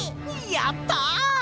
やった！